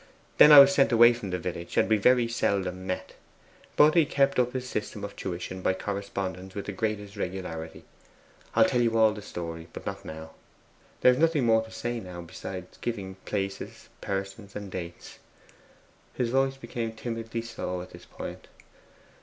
Then I was sent away from the village, and we very seldom met; but he kept up this system of tuition by correspondence with the greatest regularity. I will tell you all the story, but not now. There is nothing more to say now, beyond giving places, persons, and dates.' His voice became timidly slow at this point.